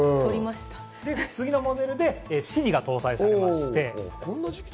次のモデルでＳｉｒｉが搭載されまして。